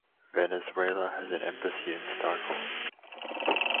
Venezuela has an embassy in Stockholm.